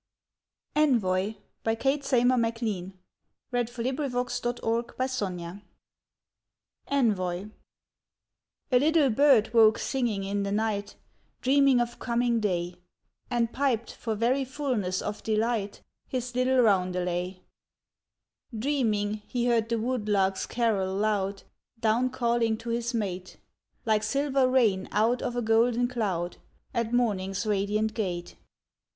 thor of "Violet Keith" A Prelude, and a Bird's Song An April Dawn ENVOI A little bird woke singing in the night, Dreaming of coming day, And piped, for very fulness of delight, His little roundelay. Dreaming he heard the wood lark's carol loud, Down calling to his mate, Like silver rain out of a golden cloud, At morning's radiant gate.